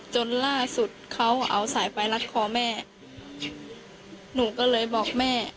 จนล่าสุดเขาเอาสายไฟรัดคอแม่หนูก็เลยบอกแม่